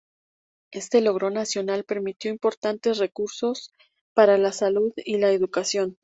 Este logro nacional permitió importantes recursos para la salud y la educación.